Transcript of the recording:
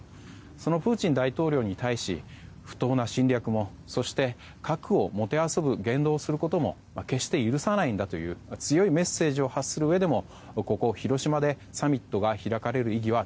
そのプーチン大統領に対し不当な侵略も、そして核をもてあそぶ言動をすることも決して許さないんだという強いメッセージを発するうえでも、ここ広島でサミットが開かれる意義は